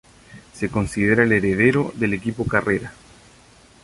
Se considera el heredero del equipo Carrera.